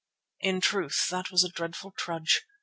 In truth that was a dreadful trudge.